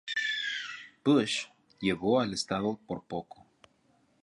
Bush llevó al estado por poco.